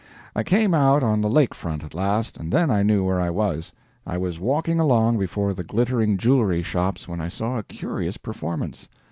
I came out on the lake front, at last, and then I knew where I was. I was walking along before the glittering jewelry shops when I saw a curious performance.